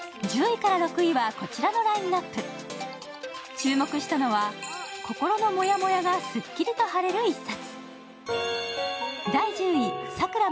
注目したのは、心のモヤモヤがすっきりと晴れる一冊。